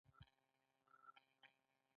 مالي الیګارشي یانې هغه کم شمېر افراد